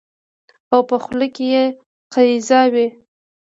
او په خوله کې يې قیضه وي